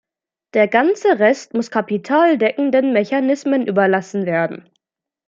Der ganze Rest muss kapitaldeckenden Mechanismen überlassen werden.